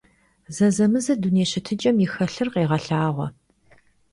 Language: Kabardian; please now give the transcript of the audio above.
Zezemıze dunêy şıtıç'em yi «helır» khêğelhağue.